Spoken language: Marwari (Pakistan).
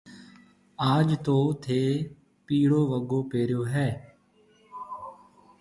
آج تو ٿَي پِيڙو وگو پيريو هيَ۔